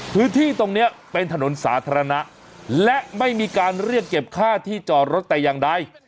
พื้นที่ตรงนี้เป็นถนนสาธารณะและไม่มีการเรียกเก็บค่าที่จอดรถแต่อย่างใด